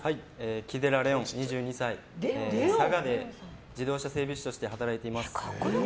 木寺玲音、２２歳佐賀で自動車整備士として働いています。